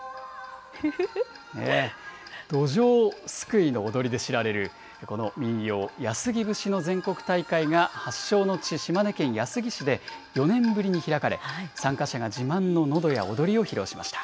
どじょうすくいの踊りで知られるこの民謡、安来節の全国大会が、発祥の地、島根県安来市で４年ぶりに開かれ、参加者が自慢ののどや踊りを披露しました。